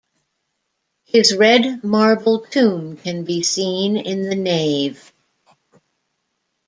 His red marble tomb can be seen in the nave.